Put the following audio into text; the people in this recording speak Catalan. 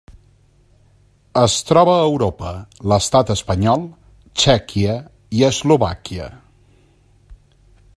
Es troba a Europa: l'Estat espanyol, Txèquia i Eslovàquia.